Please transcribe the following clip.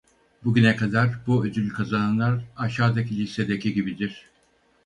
Bugüne kadar bu ödülü kazananlar aşağıdaki listedeki gibidir: